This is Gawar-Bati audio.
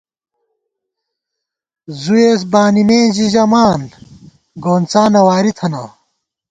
زُوئیس بانِمېن ژی ژَمان ، گونڅانہ واری تھنہ